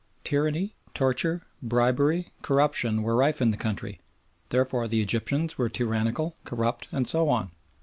Tyranny, torture, bribery, corruption were rife in the country, therefore the Egyptians were tyrannical, corrupt, and so on.